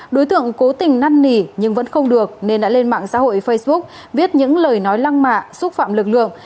đối tượng cố tình năn nỉ nhưng vẫn không được nên đã lên mạng xã hội facebook viết những lời nói lăng mạ xúc phạm lực lượng